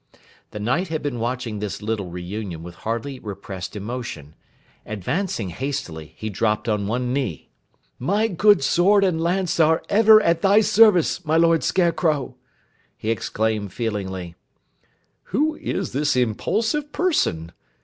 The Knight had been watching this little reunion with hardly repressed emotion. Advancing hastily, he dropped on one knee. "My good sword and lance are ever at thy service, my Lord Scarecrow!" he exclaimed feelingly. "Who is this impulsive person?"